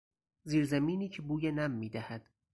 زیرزمینی که بوی نم میدهد